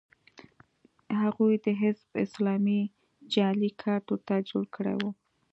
هغوی د حزب اسلامي جعلي کارت ورته جوړ کړی و